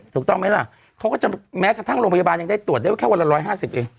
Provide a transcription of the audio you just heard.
ถูกต้องไหมล่ะเขาก็จะแม้กระทั่งโรงพยาบาลยังได้ตรวจได้แค่วันละ๑๕๐เอง